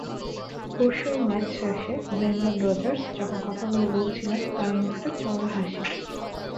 পরশুর ম্যাচ শেষে Brendon Rodgers যখন কথাগুলো বলছিলেন, তাঁর মুখে চওড়া হাসি।